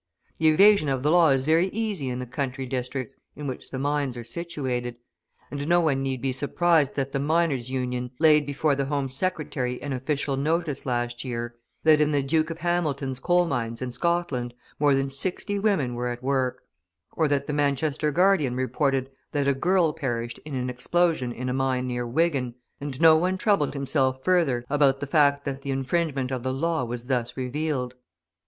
The evasion of the law is very easy in the country districts in which the mines are situated; and no one need be surprised that the Miners' Union laid before the Home Secretary an official notice, last year, that in the Duke of Hamilton's coal mines in Scotland, more than sixty women were at work; or that the Manchester Guardian reported that a girl perished in an explosion in a mine near Wigan, and no one troubled himself further about the fact that an infringement of the law was thus revealed.